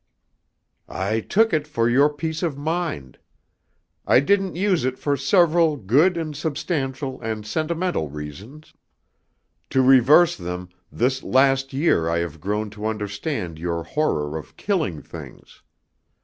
"I took it for your peace of mind. I didn't use it for several good and substantial and sentimental reasons. To reverse them, this last year I have grown to understand your horror of killing things.